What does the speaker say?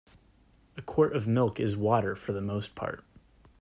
A quart of milk is water for the most part.